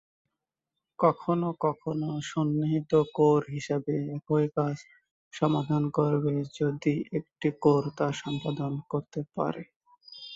কখনো কখনো সন্নিহিত কোর হিসেবে একই কাজ সমাধান করবে যদি একটি কোর তা সম্পাদন করতে না পারে।